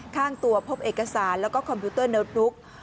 ข้างตัวพบเอกสารแล้วก็คอมพิวเตอร์โน้ตบุ๊ก